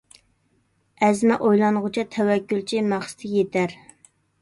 ئەزمە ئويلانغۇچە تەۋەككۈلچى مەقسىتىگە يېتەر.